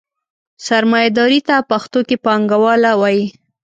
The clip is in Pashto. سرمایهداري ته پښتو کې پانګواله وایي.